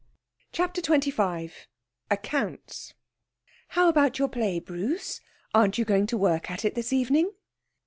CHAPTER XXV Accounts 'How about your play, Bruce? Aren't you going to work at it this evening?'